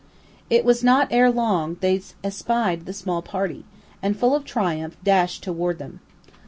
It was not long ere they espied the small party, and full of triumph dashed toward them.